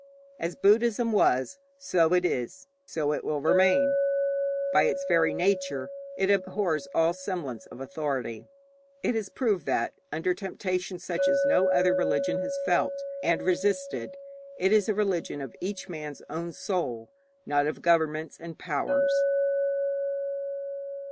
As Buddhism was, so it is, so it will remain. By its very nature it abhors all semblance of authority. It has proved that, under temptation such as no other religion has felt, and resisted; it is a religion of each man's own soul, not of governments and powers.